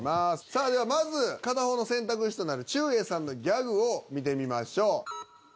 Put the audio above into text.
さあではまず片方の選択肢となるちゅうえいさんのギャグを見てみましょう。